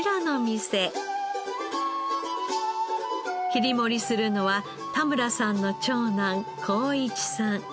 切り盛りするのは田村さんの長男公一さん。